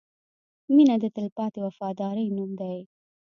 • مینه د تلپاتې وفادارۍ نوم دی.